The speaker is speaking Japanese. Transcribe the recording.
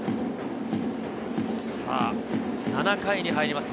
７回に入ります。